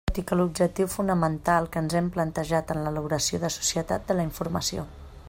Tot i que l'objectiu fonamental que ens hem plantejat en l'elaboració de Societat de la informació.